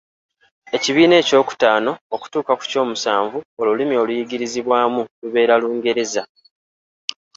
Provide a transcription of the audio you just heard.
Ekibiina ekyokutaano okutuuka ku kyomusanvu olulimi oluyigirizibwamu lubeere Lungereza.